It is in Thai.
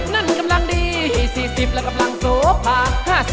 ๓๐นั้นกำลังดี๔๐และรับรังโศภา